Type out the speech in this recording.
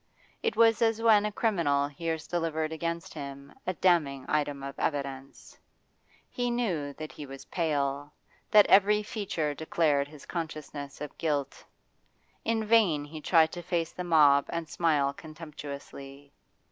It was as when a criminal hears delivered against him a damning item of evidence. He knew that he was pale, that every feature declared his consciousness of guilt. In vain he tried to face the mob and smile contemptuously.